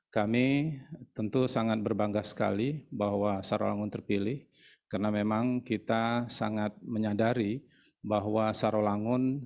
kami tentu sangat berbangga sekali bahwa sarawangun terpilih karena memang kita sangat menyadari bahwa sarawangun